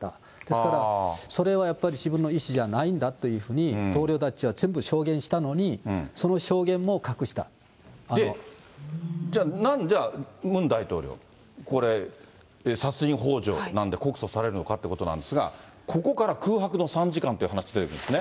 ですから、それはやっぱり自分の意思じゃないんだというふうに同僚たちは証じゃあ、なんでムン大統領、これ、殺人ほう助で告訴されるのかってことなんですが、ここから空白の３時間という話出てくるんですね。